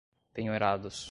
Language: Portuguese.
penhorados